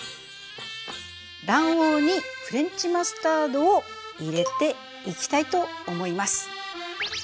卵黄にフレンチマスタードを入れていきたいと思います。